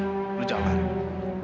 saya tidak akan lari